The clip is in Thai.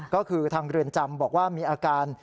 ก็คือทางเรือนจำบอกว่ามีอาการ